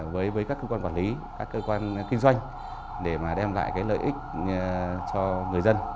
với các cơ quan quản lý các cơ quan kinh doanh để mà đem lại cái lợi ích cho người dân